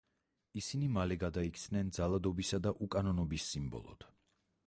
ისინი მალე გადაიქცნენ ძალადობისა და უკანონობის სიმბოლოდ.